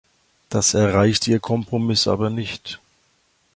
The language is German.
Das erreicht Ihr Kompromiss aber nicht.